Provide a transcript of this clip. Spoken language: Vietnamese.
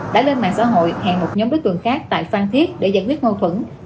đã lên mạng xã hội hẹn một nhóm đối tượng khác tại phan thiết để giải quyết mâu thuẫn